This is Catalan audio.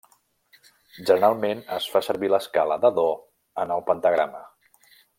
Generalment es fa servir l'escala de do en el pentagrama.